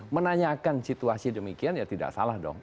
menanyakan situasi demikian ya tidak salah dong